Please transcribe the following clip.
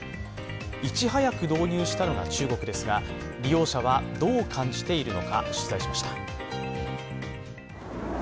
いち早く導入したのが中国ですが利用者はどう感じているのか、取材しました。